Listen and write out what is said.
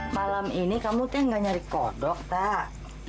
malam ini kamu tuh gak nyari kodok tak